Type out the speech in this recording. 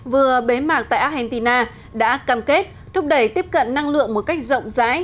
vừa bế mạc tại argentina đã cam kết thúc đẩy tiếp cận năng lượng một cách rộng rãi